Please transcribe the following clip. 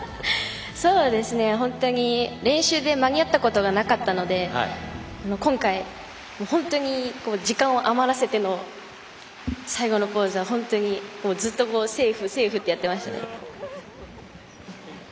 本当に、練習で間に合ったことがなかったので今回、本当に時間を余らせての最後のポーズは本当にずっとセーフ、セーフってやってましたね。